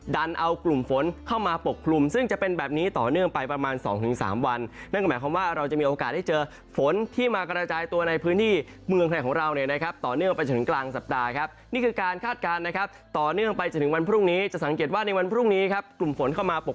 ดันเอากลุ่มฝนเข้ามาปกคลุมซึ่งจะเป็นแบบนี้ต่อเนื่องไปประมาณสองถึงสามวันนั่นก็หมายความว่าเราจะมีโอกาสได้เจอฝนที่มากระจายตัวในพื้นที่เมืองไทยของเราเนี่ยนะครับต่อเนื่องไปจนถึงกลางสัปดาห์ครับนี่คือการคาดการณ์นะครับต่อเนื่องไปจนถึงวันพรุ่งนี้จะสังเกตว่าในวันพรุ่งนี้ครับกลุ่มฝนเข้ามาปก